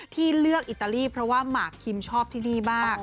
ที่เลือกอิตาลีเพราะว่าหมากคิมชอบที่นี่มาก